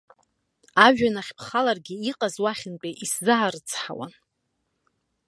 Ажәҩан ахь бхаларгьы, иҟаз уахьынтәи исзаарыцҳауан.